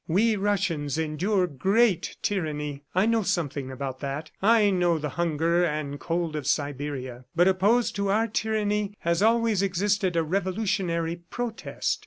"We Russians endure great tyranny. I know something about that. I know the hunger and cold of Siberia. ... But opposed to our tyranny has always existed a revolutionary protest.